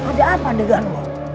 ada apa denganmu